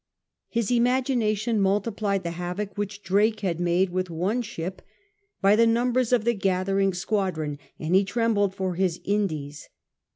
His imagination multiplied the havoc which Drake had made with one ship by the numbers of the gathering squadron, and he trembled for his Indies.